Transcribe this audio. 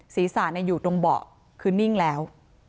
ศีรษะอยู่ตรงเบาะคือนิ่งแล้ว